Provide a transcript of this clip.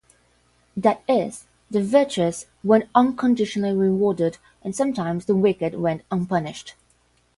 That is, the virtuous weren't unconditionally rewarded, and sometimes the wicked went unpunished.